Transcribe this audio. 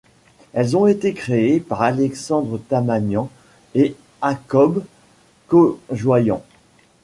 Elles ont été créées par Alexandre Tamanian et Hakob Kojoyan.